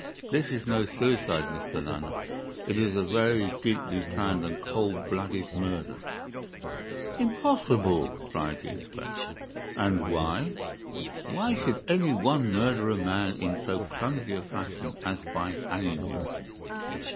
This is no suicide, Mr. Lanner. It is a very deeply planned and cold blooded murder." "Impossible!" cried the inspector. "And why?" "Why should any one murder a man in so clumsy a fashion as by hanging him?"